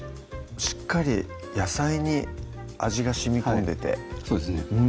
しっかり野菜に味がしみこんでてそうですね